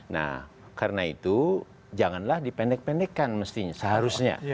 nah karena itu janganlah dipendek pendekkan mestinya seharusnya